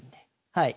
はい。